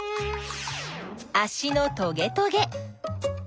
あしのトゲトゲ。